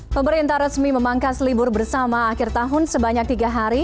pemerintah resmi memangkas libur bersama akhir tahun sebanyak tiga hari